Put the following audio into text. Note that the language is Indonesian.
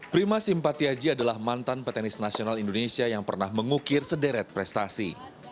prima simpatiaji adalah mantan petenis nasional indonesia yang pernah mengukir sederet prestasi